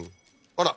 あら